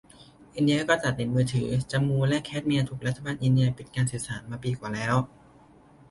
อินเดียก็ตัดเน็ตมือถือ จัมมูและแคชเมียร์ถูกรัฐบาลอินเดียปิดการสื่อสารมาปีกว่าแล้ว